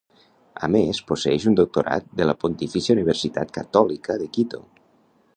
A més, posseïx un Doctorat de la Pontifícia Universitat Catòlica de Quito.